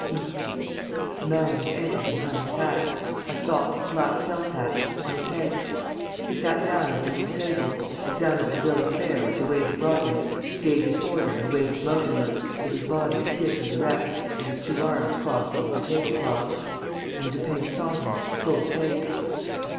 "Look." A man had entered and hung his hat a soft, black felt hat on a peg. He sat down at a little table, examined the bill of fare which a waiter brought him, gave his order and waited motionless, with his body stiff and erect and his two arms crossed over the table cloth. And Lupin saw him full face.